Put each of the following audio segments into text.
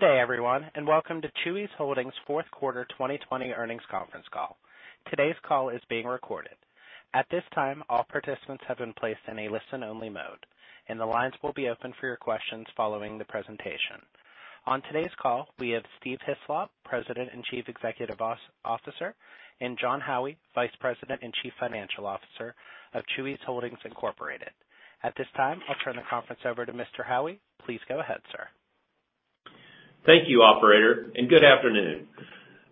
Good day, everyone, and welcome to Chuy's Holdings fourth quarter 2020 earnings conference call. Today's call is being recorded. At this time, all participants have been placed in a listen-only mode, and the lines will be open for your questions following the presentation. On today's call, we have Steve Hislop, President and Chief Executive Officer, and Jon Howie, Vice President and Chief Financial Officer of Chuy's Holdings Incorporated. At this time, I'll turn the conference over to Mr. Howie. Please go ahead, sir. Thank you, Operator, and good afternoon.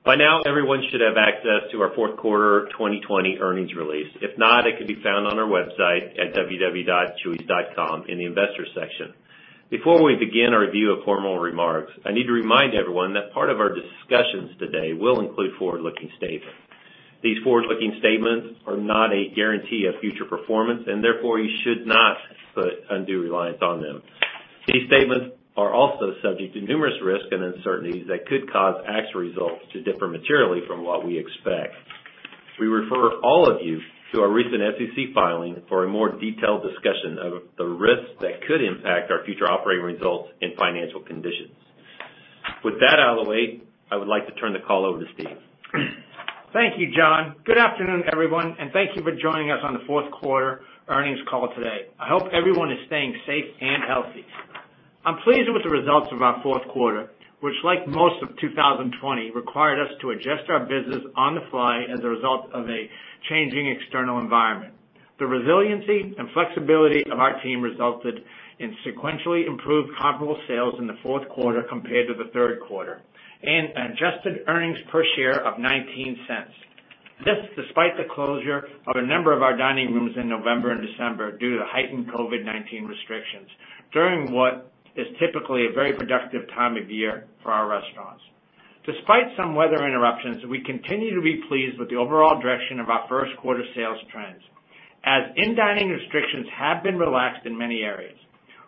By now, everyone should have access to our fourth quarter 2020 earnings release. If not, it can be found on our website at www.chuys.com in the Investors section. Before we begin our review of formal remarks, I need to remind everyone that part of our discussions today will include forward-looking statements. These forward-looking statements are not a guarantee of future performance, and therefore you should not put undue reliance on them. These statements are also subject to numerous risks and uncertainties that could cause actual results to differ materially from what we expect. We refer all of you to our recent SEC filing for a more detailed discussion of the risks that could impact our future operating results and financial conditions. With that out of the way, I would like to turn the call over to Steve. Thank you, Jon. Good afternoon, everyone, thank you for joining us on the fourth quarter earnings call today. I hope everyone is staying safe and healthy. I'm pleased with the results of our fourth quarter, which like most of 2020, required us to adjust our business on the fly as a result of a changing external environment. The resiliency and flexibility of our team resulted in sequentially improved comparable sales in the fourth quarter compared to the third quarter, and adjusted earnings per share of $0.19. This, despite the closure of a number of our dining rooms in November and December due to heightened COVID-19 restrictions, during what is typically a very productive time of year for our restaurants. Despite some weather interruptions, we continue to be pleased with the overall direction of our first quarter sales trends, as in-dining restrictions have been relaxed in many areas.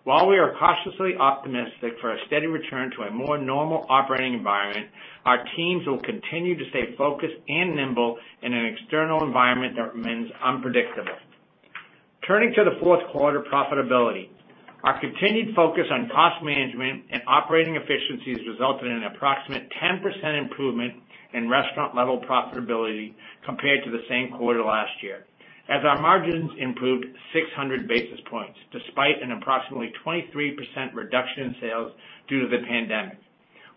While we are cautiously optimistic for a steady return to a more normal operating environment, our teams will continue to stay focused and nimble in an external environment that remains unpredictable. Turning to the fourth quarter profitability, our continued focus on cost management and operating efficiencies resulted in an approximate 10% improvement in restaurant level profitability compared to the same quarter last year, as our margins improved 600 basis points, despite an approximately 23% reduction in sales due to the pandemic.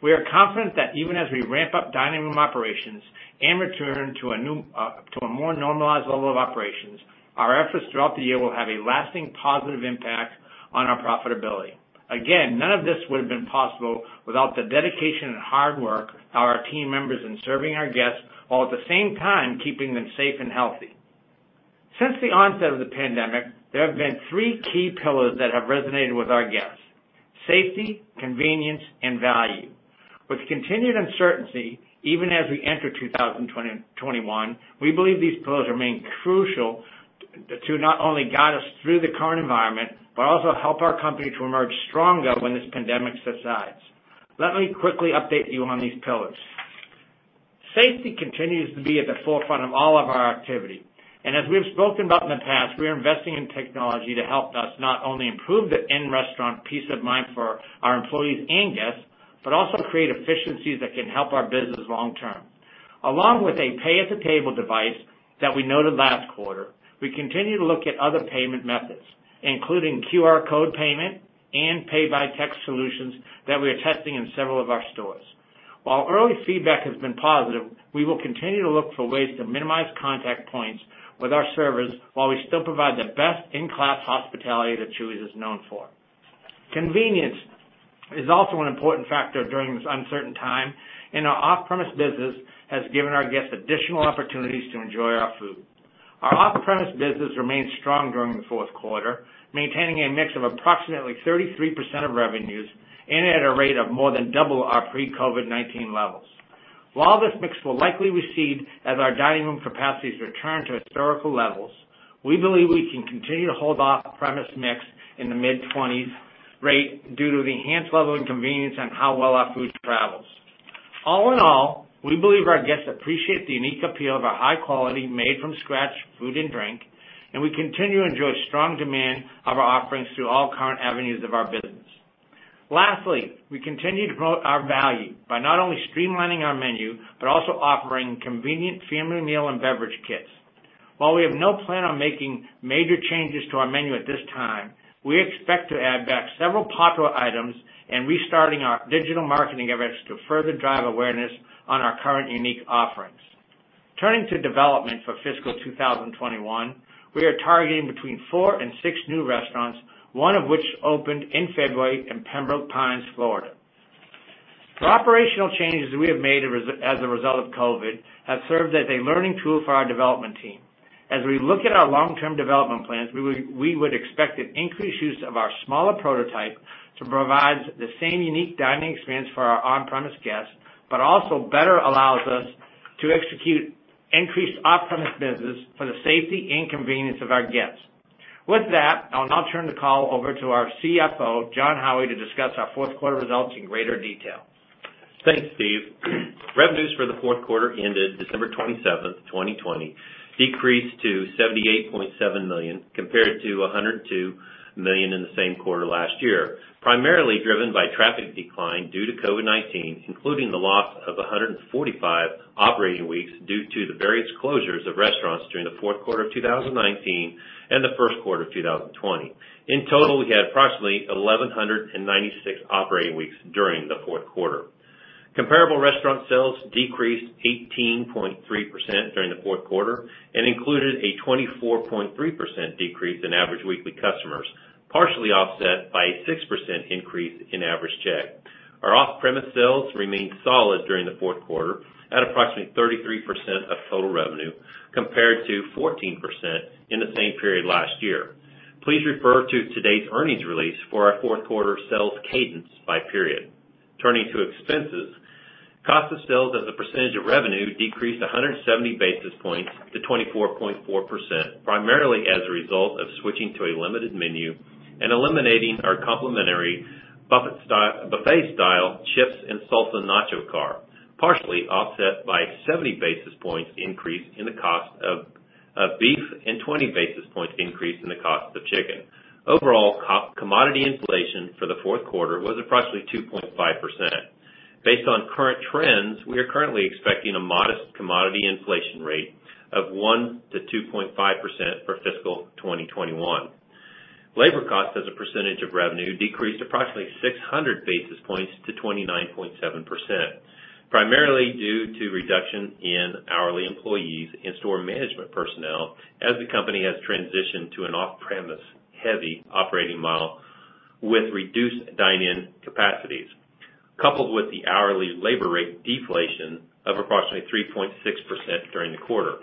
We are confident that even as we ramp up dining room operations and return to a more normalized level of operations, our efforts throughout the year will have a lasting positive impact on our profitability. Again, none of this would've been possible without the dedication and hard work of our team members in serving our guests, while at the same time, keeping them safe and healthy. Since the onset of the pandemic, there have been three key pillars that have resonated with our guests, safety, convenience, and value. With continued uncertainty, even as we enter 2021, we believe these pillars remain crucial to not only guide us through the current environment, but also help our company to emerge stronger when this pandemic subsides. Let me quickly update you on these pillars. Safety continues to be at the forefront of all of our activity, and as we've spoken about in the past, we are investing in technology to help us not only improve the in-restaurant peace of mind for our employees and guests, but also create efficiencies that can help our business long-term. Along with a pay at the table device that we noted last quarter, we continue to look at other payment methods, including QR code payment and pay by text solutions that we are testing in several of our stores. While early feedback has been positive, we will continue to look for ways to minimize contact points with our servers, while we still provide the best-in-class hospitality that Chuy's is known for. Convenience is also an important factor during this uncertain time, and our off-premise business has given our guests additional opportunities to enjoy our food. Our off-premise business remained strong during the fourth quarter, maintaining a mix of approximately 33% of revenues and at a rate of more than double our pre-COVID-19 levels. While this mix will likely recede as our dining room capacities return to historical levels, we believe we can continue to hold off-premise mix in the mid-20s rate due to the enhanced level of convenience and how well our food travels. All in all, we believe our guests appreciate the unique appeal of our high quality, made from scratch food and drink, and we continue to enjoy strong demand of our offerings through all current avenues of our business. Lastly, we continue to promote our value by not only streamlining our menu, but also offering convenient family meal and beverage kits. While we have no plan on making major changes to our menu at this time, we expect to add back several popular items and restarting our digital marketing efforts to further drive awareness on our current unique offerings. Turning to development for fiscal 2021, we are targeting between four and six new restaurants, one of which opened in February in Pembroke Pines, Florida. The operational changes we have made as a result of COVID, have served as a learning tool for our development team. As we look at our long-term development plans, we would expect an increased use of our smaller prototype to provide the same unique dining experience for our on-premise guests, but also better allows us to execute increased off-premise business for the safety and convenience of our guests. With that, I'll now turn the call over to our CFO, Jon Howie, to discuss our fourth quarter results in greater detail. Thanks, Steve. Revenues for the fourth quarter ended December 27th, 2020, decreased to $78.7 million compared to $102 million in the same quarter last year, primarily driven by traffic decline due to COVID-19, including the loss of 145 operating weeks due to the various closures of restaurants during the fourth quarter of 2019 and the first quarter of 2020. In total, we had approximately 1,196 operating weeks during the fourth quarter. Comparable restaurant sales decreased 18.3% during the fourth quarter and included a 24.3% decrease in average weekly customers, partially offset by a 6% increase in average check. Our off-premise sales remained solid during the fourth quarter at approximately 33% of total revenue compared to 14% in the same period last year. Please refer to today's earnings release for our fourth quarter sales cadence by period. Turning to expenses, cost of sales as a percentage of revenue decreased 170 basis points to 24.4%, primarily as a result of switching to a limited menu and eliminating our complimentary buffet-style chips and salsa Nacho Car, partially offset by 70 basis points increase in the cost of beef and 20 basis points increase in the cost of chicken. Overall, commodity inflation for the fourth quarter was approximately 2.5%. Based on current trends, we are currently expecting a modest commodity inflation rate of 1%-2.5% for fiscal 2021. Labor cost as a percentage of revenue decreased approximately 600 basis points to 29.7%, primarily due to reduction in hourly employees and store management personnel as the company has transitioned to an off-premise heavy operating model with reduced dine-in capacities, coupled with the hourly labor rate deflation of approximately 3.6% during the quarter.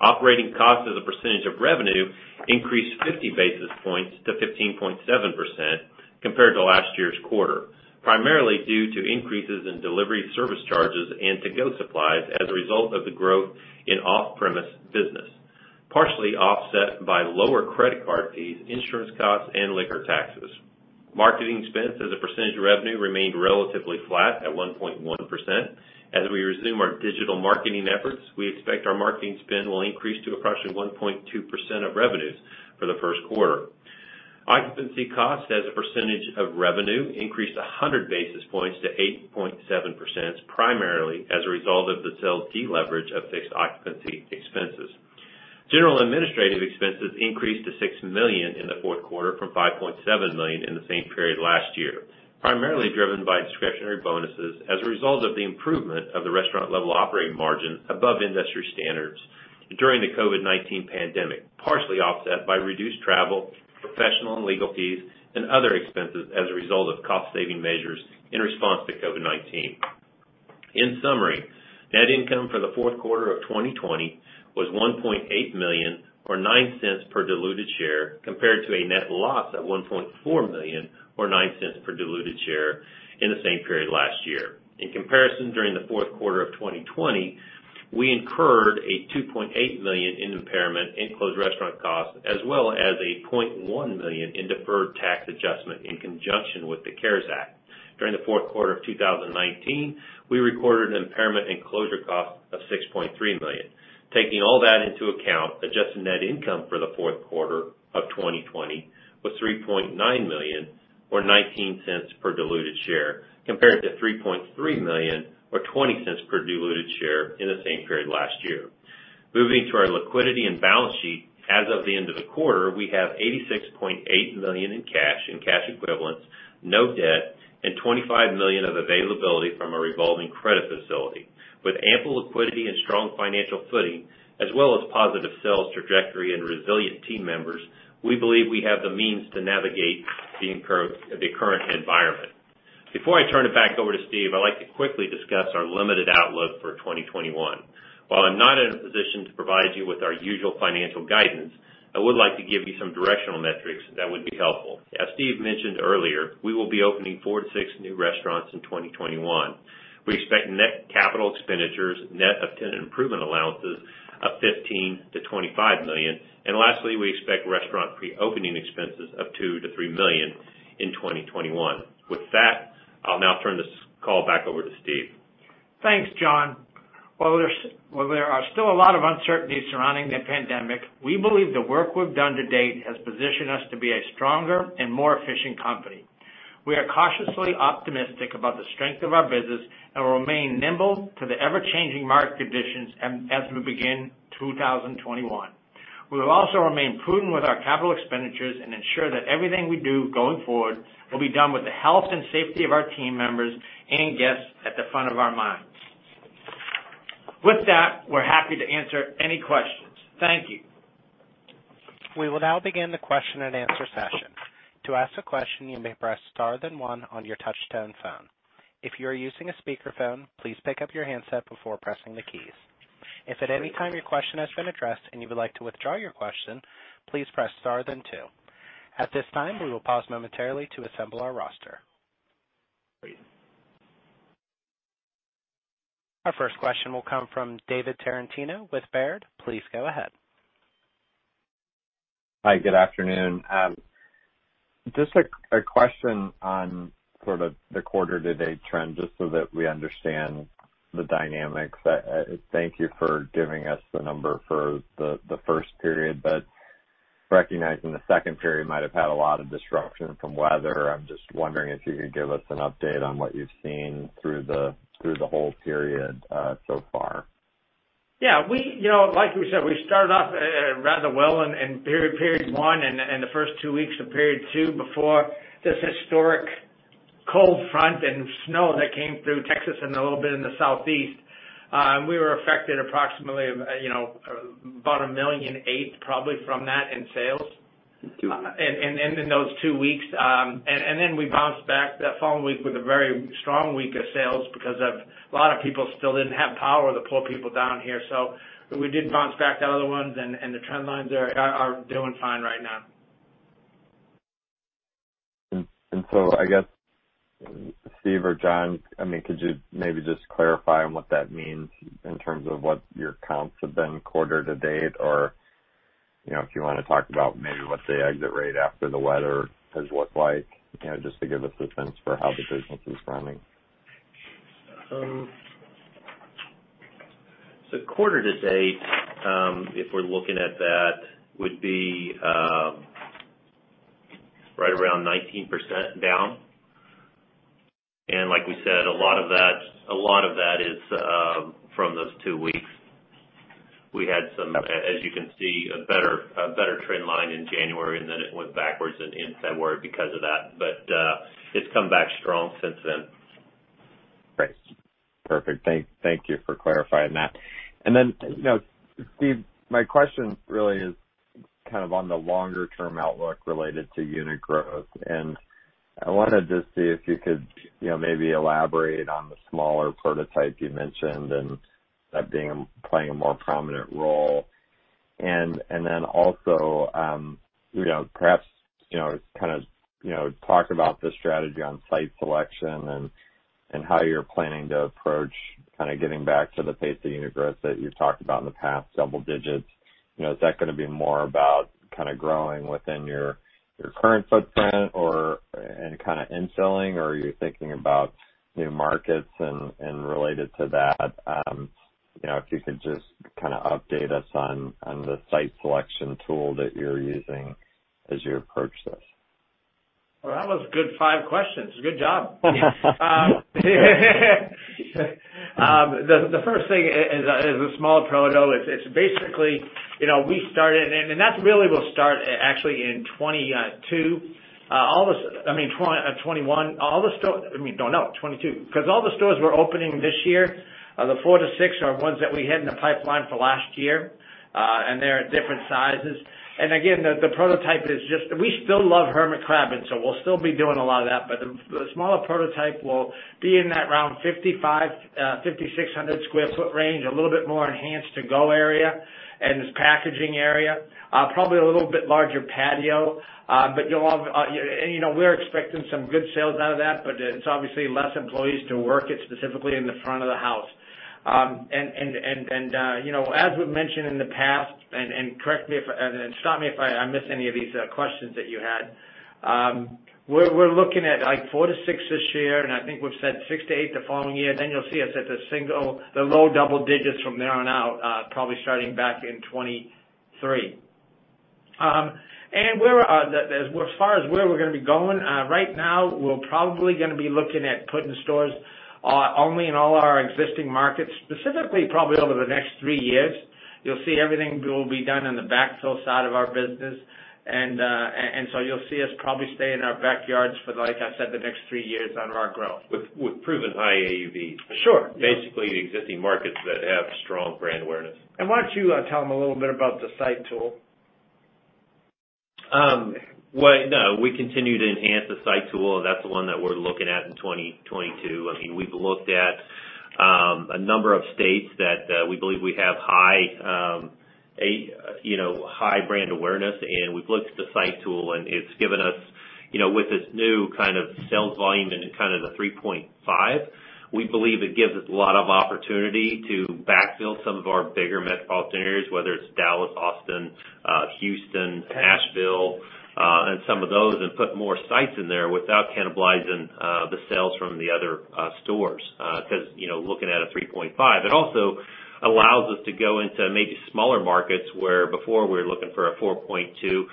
Operating cost as a percentage of revenue increased 50 basis points to 15.7% compared to last year's quarter, primarily due to increases in delivery service charges and to-go supplies as a result of the growth in off-premise business, partially offset by lower credit card fees, insurance costs, and liquor taxes. Marketing expense as a percentage of revenue remained relatively flat at 1.1%. As we resume our digital marketing efforts, we expect our marketing spend will increase to approximately 1.2% of revenues for the first quarter. Occupancy cost as a percentage of revenue increased 100 basis points to 8.7%, primarily as a result of the sales deleverage of fixed occupancy expenses. General administrative expenses increased to $6 million in the fourth quarter from $5.7 million in the same period last year, primarily driven by discretionary bonuses as a result of the improvement of the restaurant level operating margin above industry standards during the COVID-19 pandemic, partially offset by reduced travel, professional and legal fees, and other expenses as a result of cost saving measures in response to COVID-19. In summary, net income for the fourth quarter of 2020 was $1.8 million or $0.09 per diluted share, compared to a net loss of $1.4 million or $0.09 per diluted share in the same period last year. In comparison, during the fourth quarter of 2020, we incurred a $2.8 million impairment in closed restaurant costs, as well as a $0.1 million in deferred tax adjustment in conjunction with the CARES Act. During the fourth quarter of 2019, we recorded an impairment and closure cost of $6.3 million. Taking all that into account, adjusted net income for the fourth quarter of 2020 was $3.9 million or $0.19 per diluted share, compared to $3.3 million or $0.20 per diluted share in the same period last year. Moving to our liquidity and balance sheet, as of the end of the quarter, we have $86.8 million in cash and cash equivalents, no debt, and $25 million of availability from a revolving credit facility. With ample liquidity and strong financial footing, as well as positive sales trajectory and resilient team members, we believe we have the means to navigate the current environment. Before I turn it back over to Steve, I'd like to quickly discuss our limited outlook for 2021. While I'm not in a position to provide you with our usual financial guidance, I would like to give you some directional metrics that would be helpful. As Steve mentioned earlier, we will be opening four to six new restaurants in 2021. We expect net capital expenditures, net of tenant improvement allowances, of $15 million-$25 million, and lastly, we expect restaurant pre-opening expenses of $2 million-$3 million in 2021. With that, I'll now turn this call back over to Steve. Thanks, Jon. While there are still a lot of uncertainties surrounding the pandemic, we believe the work we've done to date has positioned us to be a stronger and more efficient company. We are cautiously optimistic about the strength of our business and will remain nimble to the ever-changing market conditions as we begin 2021. We will also remain prudent with our capital expenditures and ensure that everything we do going forward will be done with the health and safety of our team members and guests at the front of our minds. With that, we're happy to answer any questions. Thank you. We will now begin the question and answer session. To ask a question, you may press star, then one on your touch-tone phone. If you are using a speakerphone, please pick up your handset before pressing the keys. If at any time your question has been addressed and you would like to withdraw your question, please press star, then two. At this time, we will pause momentarily to assemble our roster. Our first question will come from David Tarantino with Baird. Please go ahead. Hi, good afternoon. Just a question on sort of the quarter-to-date trend, just so that we understand the dynamics. Thank you for giving us the number for the first period, but recognizing the second period might have had a lot of disruption from weather. I'm just wondering if you could give us an update on what you've seen through the whole period so far. Yeah. Like we said, we started off rather well in period one and the first two weeks of period two before this historic cold front and snow that came through Texas and a little bit in the Southeast. We were affected approximately about $1.8 million probably from that in sales. That's two. In those two weeks. Then we bounced back the following week with a very strong week of sales because a lot of people still didn't have power to pull people down here. We did bounce back the other ones, and the trend lines are doing fine right now. I guess, Steve or Jon, could you maybe just clarify on what that means in terms of what your counts have been quarter to date, or, if you want to talk about maybe what the exit rate after the weather has looked like, just to give us a sense for how the business is running? Quarter to date, if we're looking at that, would be right around 19% down. Like we said, a lot of that is from those two weeks. We had some, as you can see, a better trend line in January, and then it went backwards in February because of that. It's come back strong since then. Great. Perfect. Thank you for clarifying that. Steve, my question really is kind of on the longer-term outlook related to unit growth. I wanted to see if you could maybe elaborate on the smaller prototype you mentioned and that playing a more prominent role. Also, perhaps, kind of talk about the strategy on site selection and how you're planning to approach kind of getting back to the pace of unit growth that you've talked about in the past, double digits. Is that going to be more about kind of growing within your current footprint and kind of infilling, or are you thinking about new markets? Related to that, if you could just kind of update us on the site selection tool that you're using as you approach this. Well, that was a good five questions. Good job. The first thing is the smaller prototype. That really will start actually in 2022. I mean, 2021. No. 2022. All the stores we're opening this year, the four to six are ones that we had in the pipeline for last year, and they're different sizes. Again, the prototype is just. We still love Hermit crab, so we'll still be doing a lot of that, but the smaller prototype will be in that around 5,500, 5,600 sq foot range, a little bit more enhanced to-go area and packaging area. Probably a little bit larger patio. We're expecting some good sales out of that, but it's obviously less employees to work it, specifically in the front of the house. As we've mentioned in the past, and stop me if I miss any of these questions that you had, we're looking at four to six this year, and I think we've said six to eight the following year. You'll see us at the low double digits from there on out, probably starting back in 2023. As far as where we're going to be going, right now, we're probably going to be looking at putting stores only in all our existing markets, specifically probably over the next three years. You'll see everything will be done in the backfill side of our business. You'll see us probably stay in our backyards for, like I said, the next three years on our growth. With proven high AUV. Sure. Basically, the existing markets that have strong brand awareness. Why don't you tell them a little bit about the site tool? We continue to enhance the site tool. That's the one that we're looking at in 2022. We've looked at a number of states that we believe we have high brand awareness, and we've looked at the site tool, and it's given us, with this new kind of sales volume into kind of the $3.5, we believe it gives us a lot of opportunity to backfill some of our bigger metropolitan areas, whether it's Dallas, Austin, Houston, Nashville, and some of those, and put more sites in there without cannibalizing the sales from the other stores, because looking at a $3.5. It also allows us to go into maybe smaller markets, where before we were looking for a $4.2.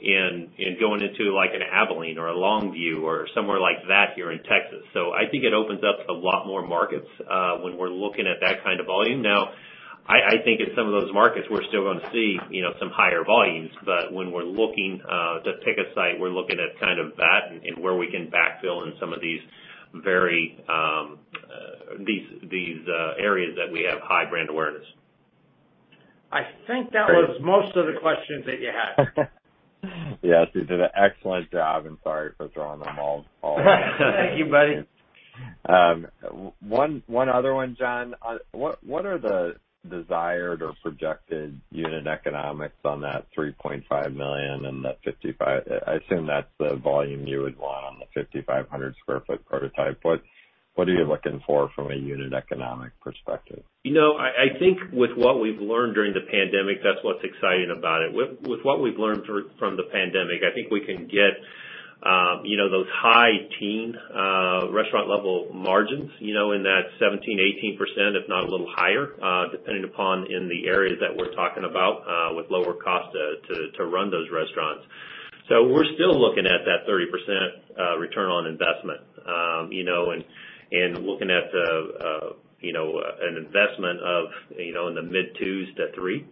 In going into like an Abilene or a Longview or somewhere like that here in Texas. I think it opens up a lot more markets when we're looking at that kind of volume. I think in some of those markets, we're still going to see some higher volumes. When we're looking to pick a site, we're looking at kind of that and where we can backfill in some of these areas that we have high brand awareness. I think that was most of the questions that you had. Yes, you did an excellent job, and sorry for throwing them all at you. Thank you, buddy. One other one, Jon. What are the desired or projected unit economics on that $3.5 million and the 55? I assume that's the volume you would want on the 5,500 sq ft prototype. What are you looking for from a unit economic perspective? I think with what we've learned during the pandemic, that's what's exciting about it. With what we've learned from the pandemic, I think we can get those high teen restaurant level margins, in that 17%-18%, if not a little higher, depending upon in the areas that we're talking about, with lower cost to run those restaurants. We're still looking at that 30% ROI. Looking at an investment in the mid $2-$3,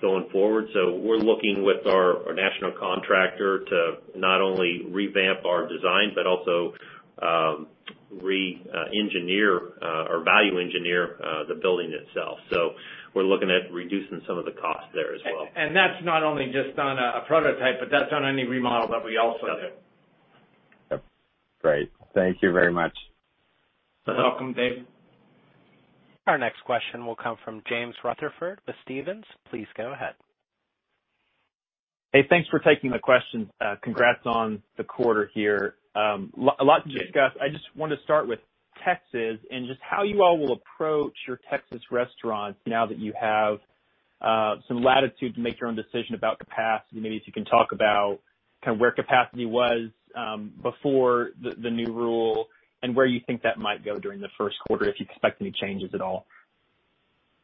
going forward. We're looking with our national contractor to not only revamp our design, but also re-engineer or value engineer the building itself. We're looking at reducing some of the costs there as well. That's not only just on a prototype, but that's on any remodel that we also do. Yep. Great. Thank you very much. You're welcome, Dave. Our next question will come from James Rutherford with Stephens. Please go ahead. Hey, thanks for taking the question. Congrats on the quarter here. A lot to discuss. I just wanted to start with Texas and just how you all will approach your Texas restaurants now that you have some latitude to make your own decision about capacity. Maybe if you can talk about where capacity was before the new rule and where you think that might go during the first quarter, if you expect any changes at all.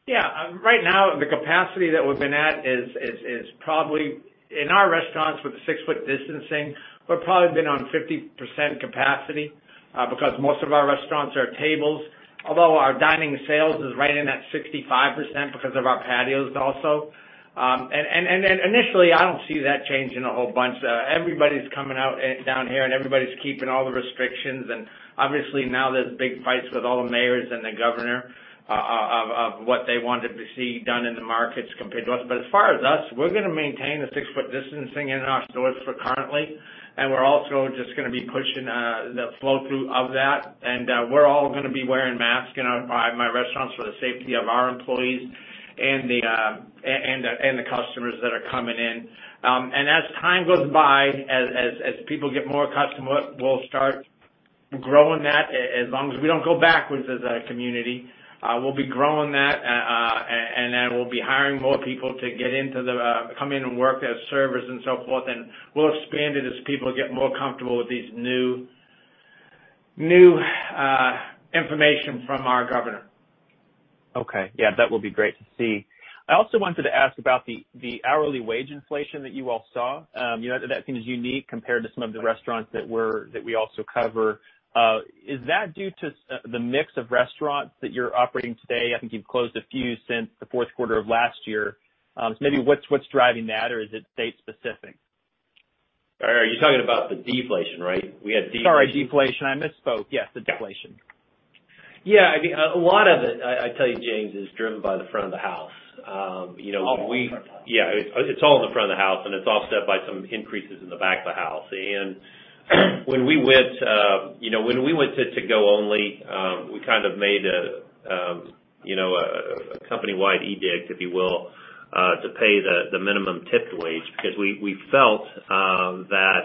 Yeah. Right now, the capacity that we've been at is probably, in our restaurants with the six-foot distancing, we've probably been on 50% capacity, because most of our restaurants are tables. Although our dining sales is right in that 65% because of our patios also. Initially, I don't see that changing a whole bunch. Everybody's coming out down here, and everybody's keeping all the restrictions. Obviously now there's big fights with all the mayors and the governor of what they wanted to see done in the markets compared to us. As far as us, we're going to maintain the six-foot distancing in our stores for currently. We're also just going to be pushing the flow through of that. We're all going to be wearing masks in my restaurants for the safety of our employees and the customers that are coming in. As time goes by, as people get more accustomed, we'll start growing that. As long as we don't go backwards as a community, we'll be growing that, and then we'll be hiring more people to come in and work as servers and so forth. We'll expand it as people get more comfortable with these new information from our governor. Okay. Yeah, that will be great to see. I also wanted to ask about the hourly wage inflation that you all saw. That seems unique compared to some of the restaurants that we also cover. Is that due to the mix of restaurants that you're operating today? I think you've closed a few since the fourth quarter of last year. Maybe what's driving that, or is it state specific? Are you talking about the deflation, right? We had deflation. Sorry, deflation. I misspoke. Yes, the deflation. Yeah. A lot of it, I tell you, James, is driven by the front of the house. All the front of the house. Yeah. It's all in the front of the house. It's offset by some increases in the back of the house. When we went to go only, we kind of made a company-wide edict, if you will, to pay the minimum tipped wage because we felt that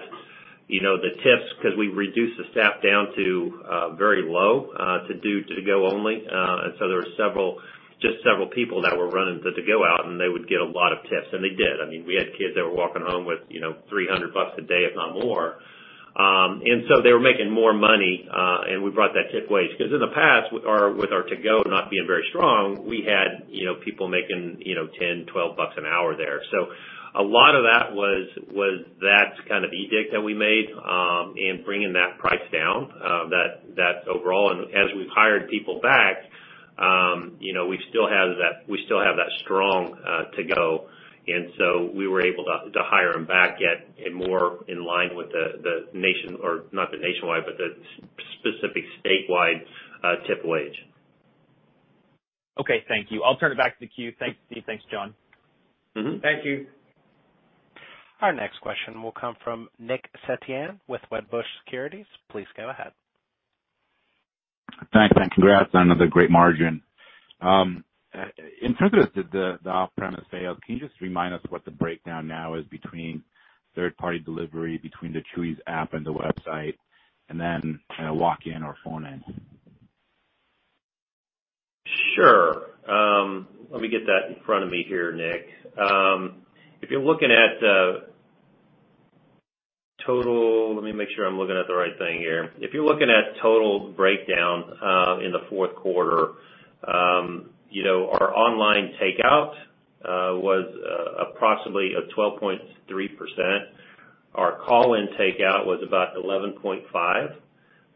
the tips, because we reduced the staff down to very low to do go only. There were just several people that were running the to-go out, and they would get a lot of tips, and they did. We had kids that were walking home with $300 a day, if not more. They were making more money, and we brought that tip wage. Because in the past, with our to-go not being very strong, we had people making $10, $12 an hour there. A lot of that was that kind of edict that we made, and bringing that price down, that overall. As we've hired people back, we still have that strong to-go. We were able to hire them back at more in line with not the nationwide, but the specific statewide tip wage. Okay, thank you. I'll turn it back to the queue. Thanks, Steve. Thanks, Jon. Thank you. Our next question will come from Nick Setyan with Wedbush Securities. Please go ahead. Thanks, and congrats on another great margin. In terms of the off-premise sales, can you just remind us what the breakdown now is between third-party delivery, between the Chuy's app and the website, and then walk-in or phone in? Sure. Let me get that in front of me here, Nick. If you're looking at the total. Let me make sure I'm looking at the right thing here. If you're looking at total breakdown in the fourth quarter, our online takeout was approximately at 12.3%. Our call-in takeout was about 11.5%.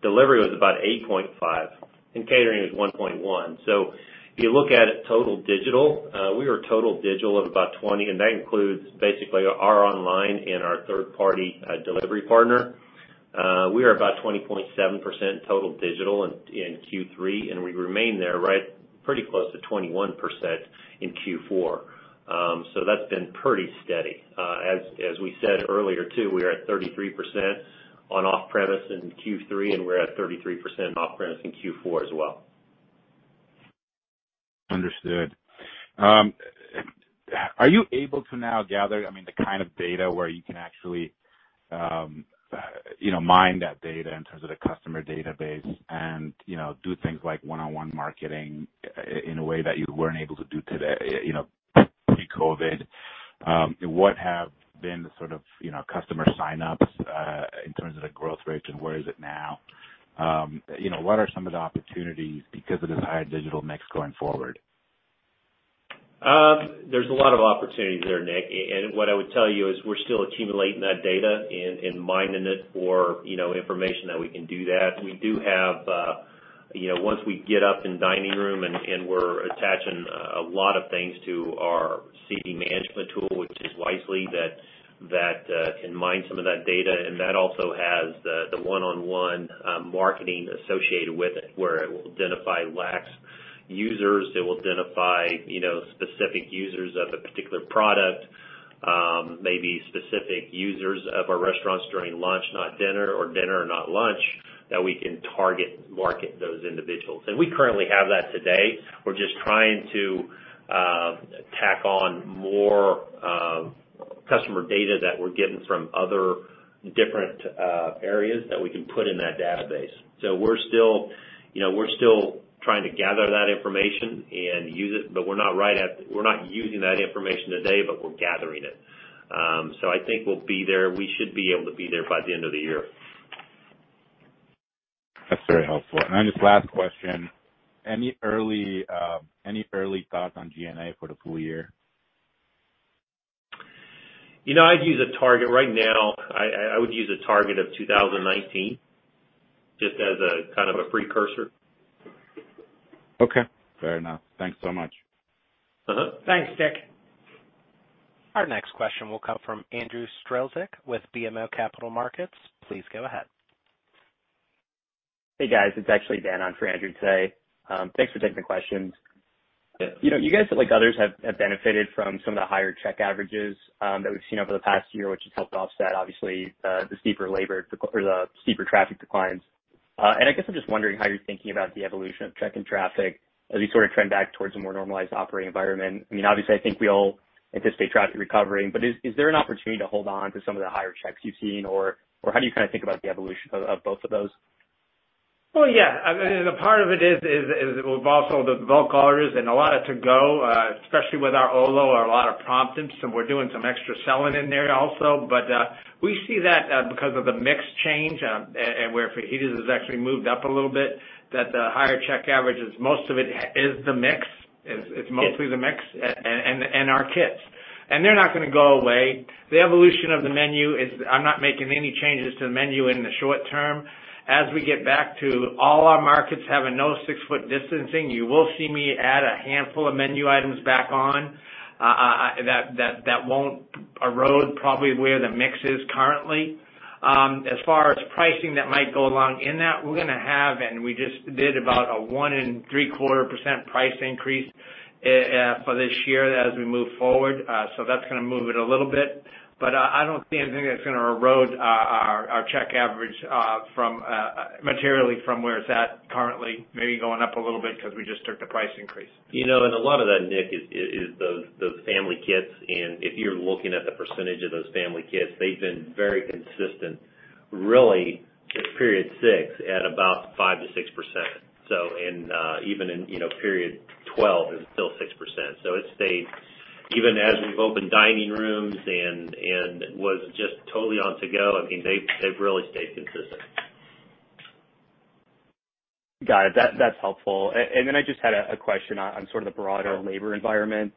Delivery was about 8.5%, and catering was 1.1%. If you look at total digital, we were total digital at about 20%, and that includes basically our online and our third-party delivery partner. We are about 20.7% total digital in Q3, and we remain there right pretty close to 21% in Q4. That's been pretty steady. As we said earlier, too, we are at 33% on off-premise in Q3, and we're at 33% off-premise in Q4 as well. Understood. Are you able to now gather the kind of data where you can actually mine that data in terms of the customer database and do things like one-on-one marketing in a way that you weren't able to do pre-COVID? What have been the customer sign-ups in terms of the growth rate, and where is it now? What are some of the opportunities because of this higher digital mix going forward? There's a lot of opportunities there, Nick. What I would tell you is we're still accumulating that data and mining it for information that we can do that. Once we get up in dining room and we're attaching a lot of things to our seating management tool, which is Wisely, that can mine some of that data, and that also has the one-on-one marketing associated with it, where it will identify lax users. It will identify specific users of a particular product, maybe specific users of our restaurants during lunch, not dinner, or dinner, not lunch, that we can target market those individuals. We currently have that today. We're just trying to tack on more customer data that we're getting from other different areas that we can put in that database. We're still trying to gather that information and use it, but we're not using that information today, but we're gathering it. I think we should be able to be there by the end of the year. That's very helpful. Just last question, any early thoughts on G&A for the full year? I'd use a target. Right now, I would use a target of 2019 just as a kind of a precursor. Okay, fair enough. Thanks so much. Thanks, Nick. Our next question will come from Andrew Strelzik with BMO Capital Markets. Please go ahead. Hey, guys. It's actually Dan on for Andrew today. Thanks for taking the questions. You guys, like others, have benefited from some of the higher check averages that we've seen over the past year, which has helped offset obviously, the steeper traffic declines. I guess I'm just wondering how you're thinking about the evolution of check and traffic as you trend back towards a more normalized operating environment. Obviously, I think we all anticipate traffic recovering, is there an opportunity to hold on to some of the higher checks you've seen, or how do you think about the evolution of both of those? Yeah. Part of it is we've also the to-go, especially with our Olo or a lot of promptings, so we're doing some extra selling in there also. We see that because of the mix change, where fajitas has actually moved up a little bit, that the higher check averages, most of it is the mix. It's mostly the mix and our kits. They're not going to go away. The evolution of the menu is I'm not making any changes to the menu in the short term. As we get back to all our markets having no six-foot distancing, you will see me add a handful of menu items back on that won't erode probably where the mix is currently. As far as pricing that might go along in that, we're going to have, and we just did about a 1.75% price increase for this year as we move forward. That's going to move it a little bit. I don't see anything that's going to erode our check average materially from where it's at currently. Maybe going up a little bit because we just took the price increase. A lot of that, Nick, is those family kits. If you're looking at the percentage of those family kits, they've been very consistent, really, period six at about 5%-6%. Even in period 12 is still 6%. Even as we've opened dining rooms and was just totally on to-go, they've really stayed consistent. Got it. That's helpful. I just had a question on sort of the broader labor environment.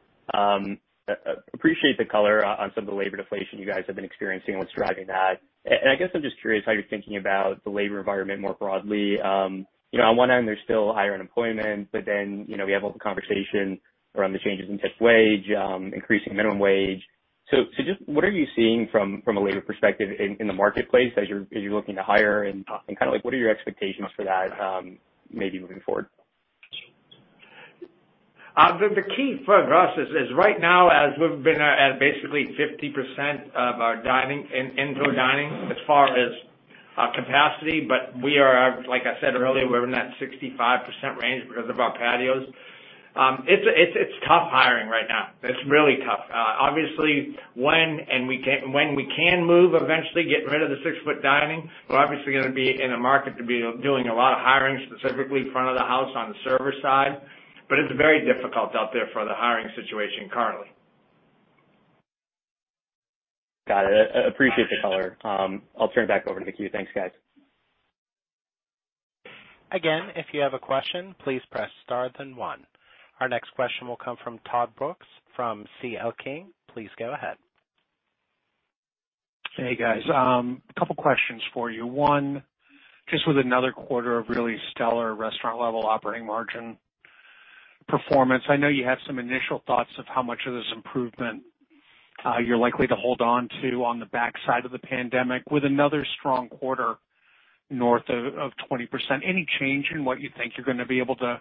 Appreciate the color on some of the labor deflation you guys have been experiencing, what's driving that. I guess I'm just curious how you're thinking about the labor environment more broadly. On one end, there's still higher unemployment, but then we have all the conversation around the changes in tip wage, increasing minimum wage. Just what are you seeing from a labor perspective in the marketplace as you're looking to hire, and what are your expectations for that maybe moving forward? The key for us is right now, as we've been at basically 50% of our indoor dining as far as capacity, but like I said earlier, we're in that 65% range because of our patios. It's tough hiring right now. It's really tough. Obviously, when we can move eventually, get rid of the six-foot dining, we're obviously going to be in a market to be doing a lot of hiring, specifically front of the house on the server side, but it's very difficult out there for the hiring situation currently. Got it. Appreciate the color. I'll turn it back over to the queue. Thanks, guys. Again, if you have a question, please press star then one. Our next question will come from Todd Brooks from C.L. King. Please go ahead. Hey, guys. Couple questions for you. One, just with another quarter of really stellar restaurant level operating margin performance, I know you have some initial thoughts of how much of this improvement you're likely to hold on to on the backside of the pandemic with another strong quarter north of 20%. Any change in what you think you're going to be able to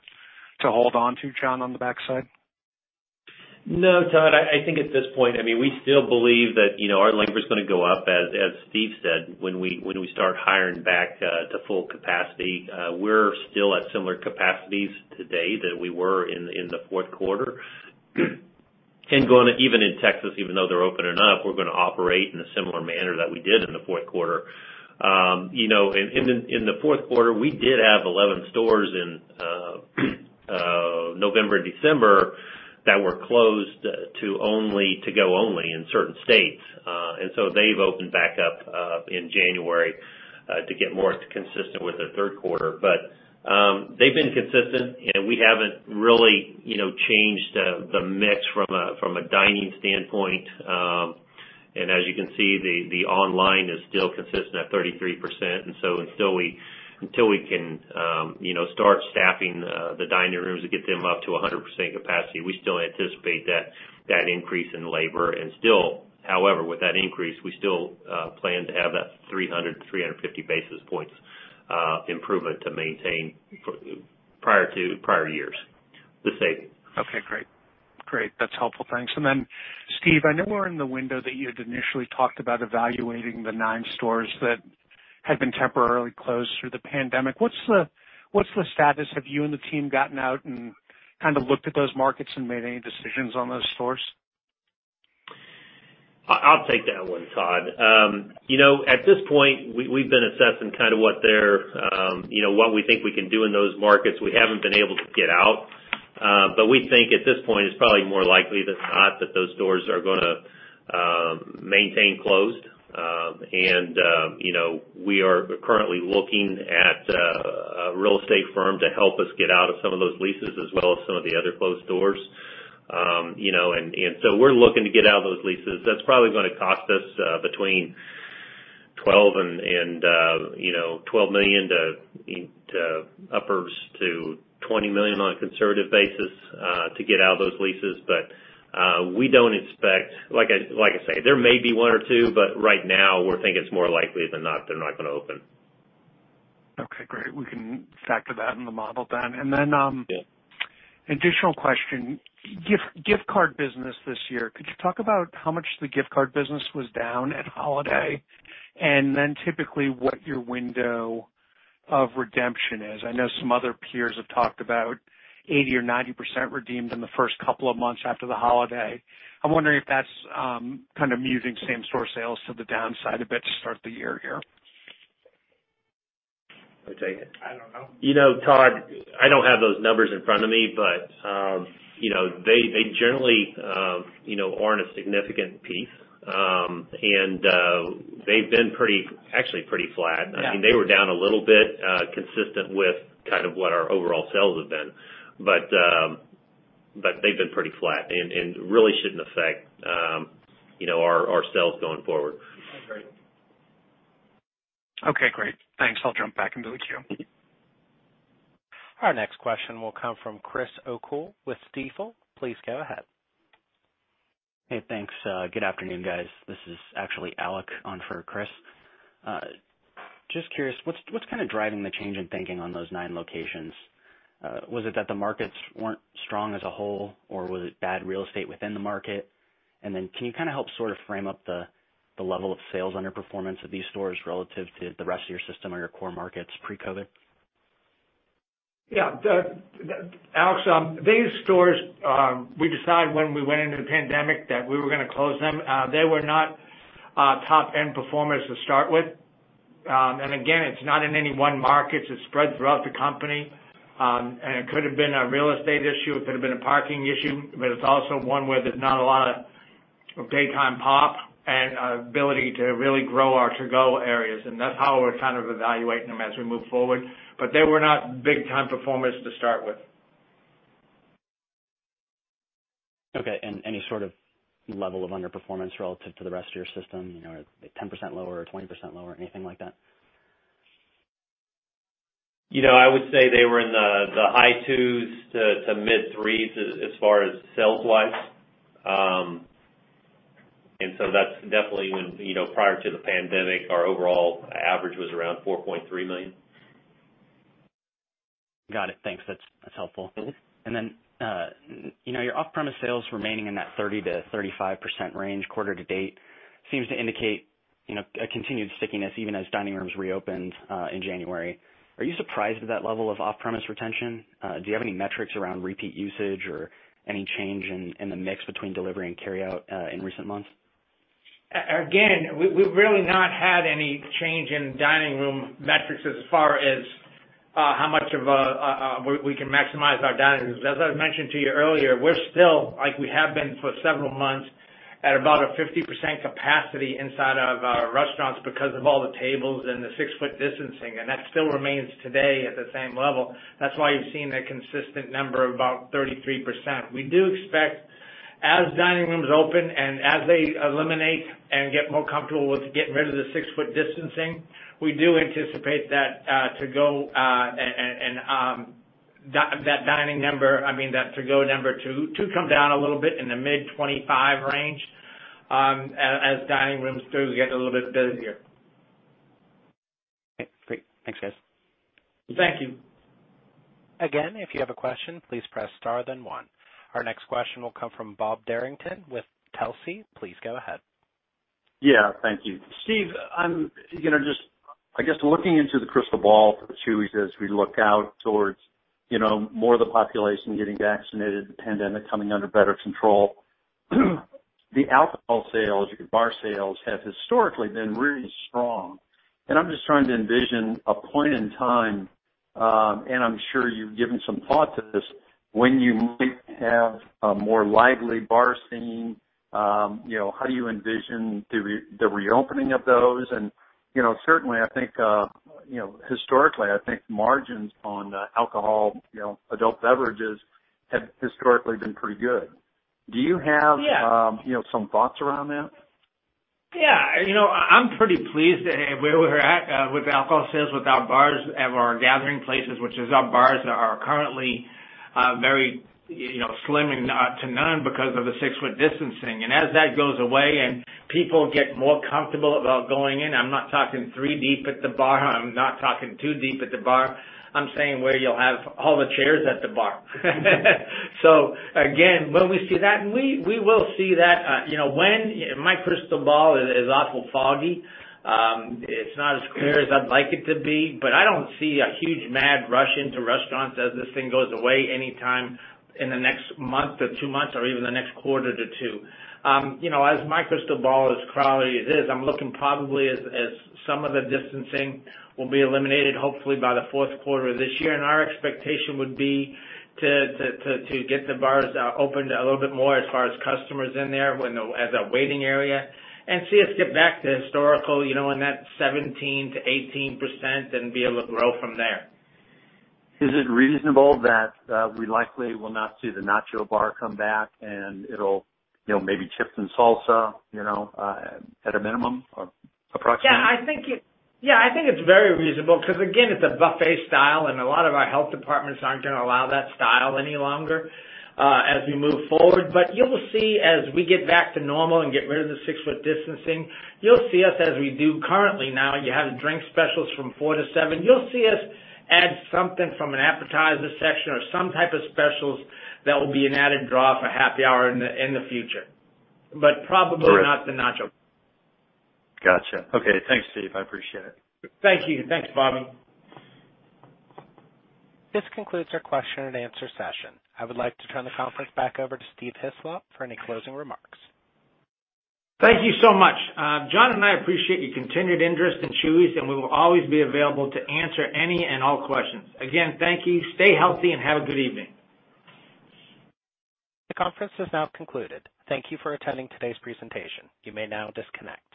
hold on to, Jon, on the backside? No, Todd, I think at this point, we still believe that our labor is going to go up, as Steve said, when we start hiring back to full capacity. We're still at similar capacities today that we were in the fourth quarter. Even in Texas, even though they're open or not, we're going to operate in a similar manner that we did in the fourth quarter. In the fourth quarter, we did have 11 stores in November and December that were closed to go only in certain states. They've opened back up in January to get more consistent with their third quarter. They've been consistent, and we haven't really changed the mix from a dining standpoint. As you can see, the online is still consistent at 33%. Until we can start staffing the dining rooms to get them up to 100% capacity, we still anticipate that increase in labor. Still, however, with that increase, we still plan to have that 300-350 basis points improvement to maintain prior to prior years' saving. Okay, great. That's helpful. Thanks. Steve, I know we're in the window that you had initially talked about evaluating the nine stores that had been temporarily closed through the pandemic. What's the status? Have you and the team gotten out and kind of looked at those markets and made any decisions on those stores? I'll take that one, Todd. At this point, we've been assessing what we think we can do in those markets. We haven't been able to get out. We think at this point, it's probably more likely than not that those stores are going to maintain closed. We are currently looking at a real estate firm to help us get out of some of those leases as well as some of the other closed stores. We're looking to get out of those leases. That's probably going to cost us between $12 million to uppers to $20 million on a conservative basis to get out of those leases. We don't expect, like I say, there may be one or two, but right now we're thinking it's more likely than not they're not going to open. Okay, great. We can factor that in the model then. Additional question. Gift card business this year, could you talk about how much the gift card business was down at holiday? Typically what your window of redemption is. I know some other peers have talked about 80% or 90% redeemed in the first couple of months after the holiday. I'm wondering if that's kind of muting same store sales to the downside a bit to start the year here. I don't know. Todd, I don't have those numbers in front of me, but they generally aren't a significant piece. They've been actually pretty flat. Yeah. They were down a little bit, consistent with kind of what our overall sales have been. They've been pretty flat and really shouldn't affect our sales going forward. I agree. Okay, great. Thanks. I'll jump back into the queue. Our next question will come from Chris O'Cull with Stifel. Please go ahead. Hey, thanks. Good afternoon, guys. This is actually Alec on for Chris. Just curious, what's kind of driving the change in thinking on those nine locations? Was it that the markets weren't strong as a whole, or was it bad real estate within the market? Can you kind of help sort of frame up the level of sales underperformance of these stores relative to the rest of your system or your core markets pre-COVID? Yeah. Alec, these stores, we decided when we went into the pandemic that we were going to close them. They were not top-end performers to start with. Again, it's not in any one market. It's spread throughout the company. It could have been a real estate issue, it could have been a parking issue, but it's also one where there's not a lot of daytime pop and ability to really grow our to-go areas. That's how we're kind of evaluating them as we move forward. They were not big-time performers to start with. Okay, any sort of level of underperformance relative to the rest of your system, 10% lower or 20% lower, anything like that? I would say they were in the high twos to mid threes as far as sales wise. That's definitely when, prior to the pandemic, our overall average was around $4.3 million. Got it. Thanks. That's helpful. Your off-premise sales remaining in that 30%-35% range quarter to date seems to indicate a continued stickiness even as dining rooms reopened in January. Are you surprised at that level of off-premise retention? Do you have any metrics around repeat usage or any change in the mix between delivery and carryout in recent months? Again, we've really not had any change in dining room metrics as far as how much we can maximize our dining rooms. As I mentioned to you earlier, we're still, like we have been for several months, at about a 50% capacity inside of our restaurants because of all the tables and the six-foot distancing, and that still remains today at the same level. That's why you've seen a consistent number of about 33%. We do expect as dining rooms open and as they eliminate and get more comfortable with getting rid of the six-foot distancing, we do anticipate that to-go number to come down a little bit in the mid 25% range as dining rooms do get a little bit busier. Great. Thanks, guys. Thank you. Again, if you have a question, please press star then one. Our next question will come from Bob Derrington with Telsey. Please go ahead. Yeah, thank you. Steve, I guess looking into the crystal ball for Chuy's as we look out towards more of the population getting vaccinated, the pandemic coming under better control, the alcohol sales, bar sales, have historically been really strong. I'm just trying to envision a point in time, and I'm sure you've given some thought to this, when you might have a more lively bar scene. How do you envision the reopening of those? Certainly, historically, I think margins on alcohol, adult beverages, have historically been pretty good. Yeah. Some thoughts around that? Yeah. I'm pretty pleased at where we're at with alcohol sales, with our bars, at our gathering places, which is our bars are currently very slim to none because of the six-foot distancing. As that goes away and people get more comfortable about going in, I'm not talking three deep at the bar, I'm not talking two deep at the bar. I'm saying where you'll have all the chairs at the bar. Again, when we see that, we will see that. When? My crystal ball is awful foggy. It's not as clear as I'd like it to be. I don't see a huge mad rush into restaurants as this thing goes away anytime in the next month or two months or even the next quarter to two. As my crystal ball is cloudy as it is, I'm looking probably as some of the distancing will be eliminated, hopefully by the fourth quarter of this year. Our expectation would be to get the bars opened a little bit more as far as customers in there as a waiting area, and see us get back to historical, in that 17%-18% and be able to grow from there. Is it reasonable that we likely will not see the Nacho Car come back and maybe chips and salsa at a minimum or approximately? Yeah, I think it's very reasonable because again, it's a buffet style and a lot of our health departments aren't going to allow that style any longer as we move forward. You will see as we get back to normal and get rid of the six-foot distancing, you'll see us as we do currently now, you have drink specials from 4:00 to 7:00. You'll see us add something from an appetizer section or some type of specials that will be an added draw for happy hour in the future. Probably not the Nacho. Got you. Okay, thanks, Steve, I appreciate it. Thank you. Thanks, Bob. This concludes our question and answer session. I would like to turn the conference back over to Steve Hislop for any closing remarks. Thank you so much. Jon and I appreciate your continued interest in Chuy's, We will always be available to answer any and all questions. Again, thank you. Stay healthy and have a good evening. The conference has now concluded. Thank you for attending today's presentation. You may now disconnect.